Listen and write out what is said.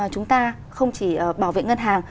chúng ta không chỉ bảo vệ ngân hàng